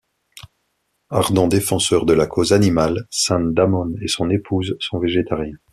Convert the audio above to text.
Ardent défenseur de la cause animal, San Damon et son épouse sont végétariens.